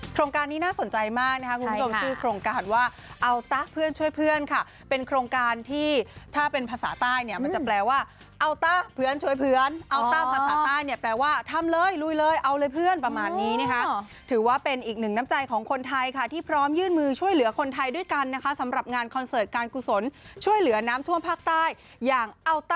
การนี้น่าสนใจมากนะคะคุณผู้ชมชื่อโครงการว่าเอาตะเพื่อนช่วยเพื่อนค่ะเป็นโครงการที่ถ้าเป็นภาษาใต้เนี่ยมันจะแปลว่าเอาต๊ะเพื่อนช่วยเพื่อนเอาต้าภาษาใต้เนี่ยแปลว่าทำเลยลุยเลยเอาเลยเพื่อนประมาณนี้นะคะถือว่าเป็นอีกหนึ่งน้ำใจของคนไทยค่ะที่พร้อมยื่นมือช่วยเหลือคนไทยด้วยกันนะคะสำหรับงานคอนเสิร์ตการกุศลช่วยเหลือน้ำท่วมภาคใต้อย่างเอาต